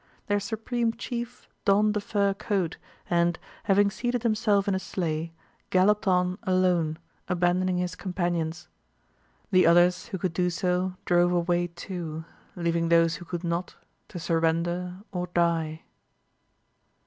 Their supreme chief donned a fur coat and, having seated himself in a sleigh, galloped on alone, abandoning his companions. The others who could do so drove away too, leaving those who could not to surrender or die.